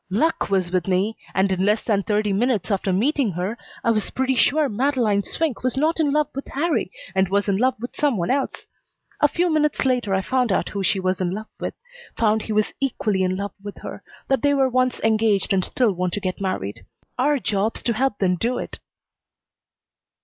Luck was with me, and in less than thirty minutes after meeting her I was pretty sure Madeleine Swink was not in love with Harrie and was in love with some one else. A few minutes later I found out who she was in love with, found he was equally in love with her; that they were once engaged and still want to get married. Our job's to help them do it."